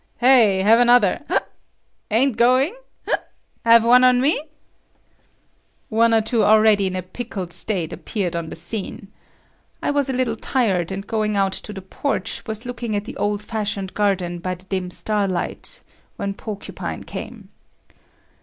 "Hey, have another, hic; ain't goin', hic, have one on me?" One or two already in a pickled state appeared on the scene. I was little tired, and going out to the porch, was looking at the old fashioned garden by the dim star light, when Porcupine came.